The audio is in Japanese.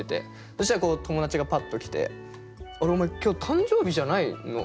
そしたら友達がパッと来て「あれ？お前今日誕生日じゃないの？